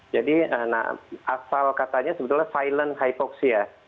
jadi asal katanya sebetulnya silent hypoxia